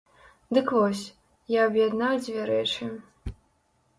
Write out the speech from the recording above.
Дык вось, я аб'яднаў дзве рэчы.